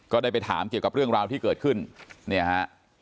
ได้ไปถามเกี่ยวกับเรื่องราวที่เกิดขึ้นเนี่ยฮะ